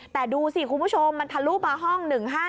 แต่ดูสิคุณผู้ชมมันทะลุมาห้อง๑๕๗